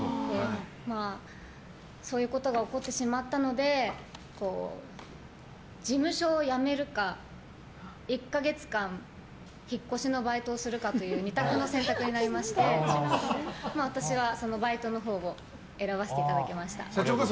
そういうことが起こってしまったので事務所を辞めるか、１か月間引っ越しのバイトをするかという２択の選択になりまして私はバイトのほうを選ばせていただきました。